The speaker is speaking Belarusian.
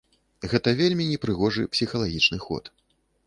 Гэта вельмі непрыгожы псіхалагічны ход.